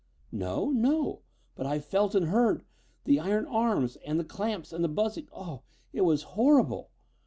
"No, no. But I felt and heard the iron arms and the clamps and the buzzing. Oh, it was horrible!"